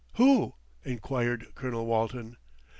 "Who?" enquired Colonel Walton.